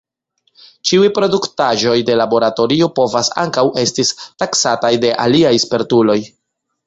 Ĉiuj produktaĵoj de laboratorio povas ankaŭ estis taksataj de aliaj spertuloj.